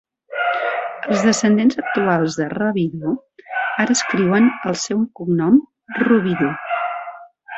Els descendents actuals de Robidoux ara escriuen el seu cognom Rubidoux.